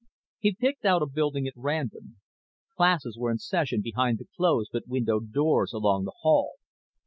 He picked out a building at random. Classes were in session behind the closed but windowed doors along the hall.